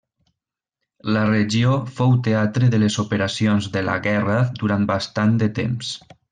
La regió fou teatre de les operacions de la guerra durant bastant de temps.